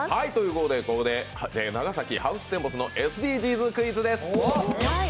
ここで長崎ハウステンボスのＳＤＧｓクイズです。